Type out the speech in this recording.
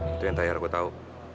itu yang tayar aku tau